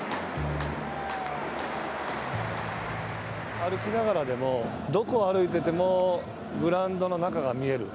歩きながらでも、どこを歩いてても、グラウンドの中が見える。